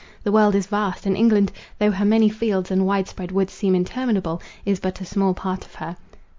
The world is vast, and England, though her many fields and wide spread woods seem interminable, is but a small part of her.